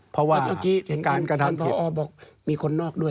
เพราะว่าการกระทำอีกเพราะเมื่อกี้ท่านภรรภอบอกมีคนนอกด้วย